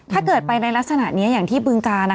ถ้าเกิดไปในลักษณะนี้อย่างที่บึงการ